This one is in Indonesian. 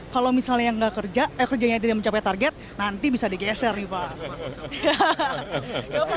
kalau misalnya yang nggak kerja eh kerjanya yang tidak mencapai target nanti bisa digeser nih pak